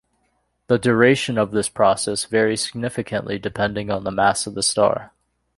The duration of this process varies significantly depending on the mass of the star.